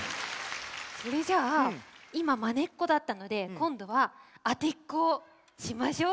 それじゃあいまマネっこだったのでこんどはあてっこをしましょう。